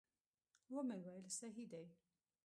ومې ویل صحیح دي.